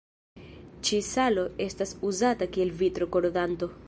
Ĉi-salo estas uzata kiel vitro-korodanto.